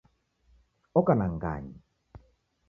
Oka na ng'anyi